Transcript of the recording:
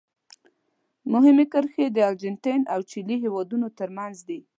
مهمې کرښې د ارجنټاین او چیلي د هېوادونو ترمنځ دي.